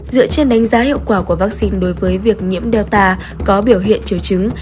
dựa trên đánh giá hiệu quả của vaccine đối với việc nhiễm delta có biểu hiện triều chứng